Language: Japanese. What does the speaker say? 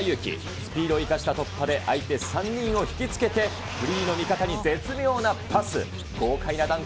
スピードを生かした突破で相手３人を引きつけてフリーの味方に絶妙なパス。